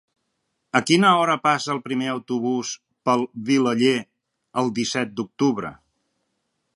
A quina hora passa el primer autobús per Vilaller el disset d'octubre?